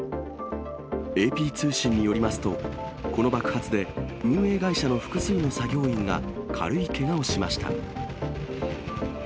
ＡＰ通信によりますと、この爆発で運営会社の複数の作業員が軽いけがをしました。